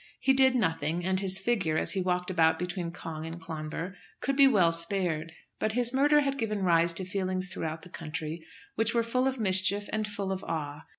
He did nothing, and his figure, as he walked about between Cong and Clonbur, could be well spared. But his murder had given rise to feelings through the country which were full of mischief and full of awe.